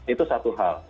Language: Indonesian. itu satu hal